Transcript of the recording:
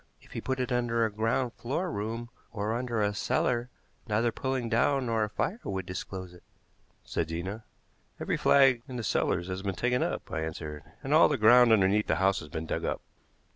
"If he put it under a ground floor room or under a cellar neither pulling down nor a fire would disclose it," said Zena. "Every flag in the cellars has been taken up," I answered; "and all the ground underneath the house has been dug up."